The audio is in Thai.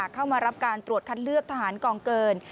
เข้ามารับการตรวจคัดเลือกทหารกองเกิน